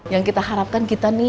yang kita harapkan kita nih